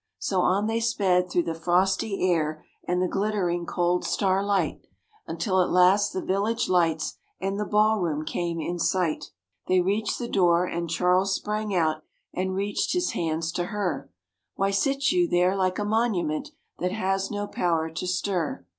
So on they sped through the frosty air and the glittering cold starlight Until at last the village lights and the ball room came in sight. They reached the door and Charles sprang out and reached his hands to her. "Why sit you there like a monument that has no power to stir?"